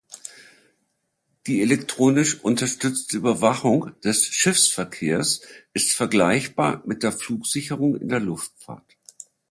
Die elektronisch unterstützte Überwachung des Schiffsverkehrs ist vergleichbar mit der Flugsicherung in der Luftfahrt.